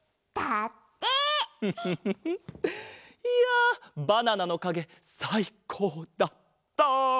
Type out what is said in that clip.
いやバナナのかげさいこうだった！